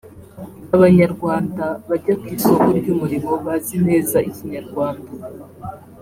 Abanyarwanda bajya ku isoko ry’umurimo bazi neza Ikinyarwanda